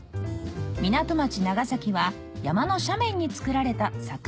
港町長崎は山の斜面につくられた坂の町です